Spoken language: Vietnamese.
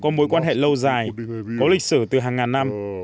có mối quan hệ lâu dài có lịch sử từ hàng ngàn năm